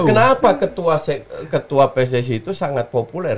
kenapa ketua pssi itu sangat populer